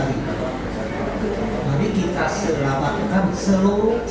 atau menunggu harimau pesannya apa pak silahkan